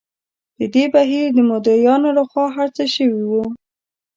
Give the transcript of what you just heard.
د دې بهیر د مدعییانو له خوا هر څه شوي وو.